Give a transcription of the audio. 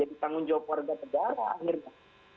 jadi tanggung jawab warga pedara akhirnya